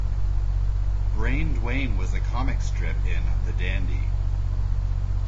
Brain Duane was a comic strip in The Dandy.